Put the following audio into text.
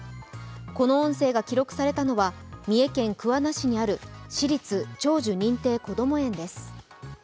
この音声が記録されたのは、三重県桑名市にある私立長寿認定こども園です。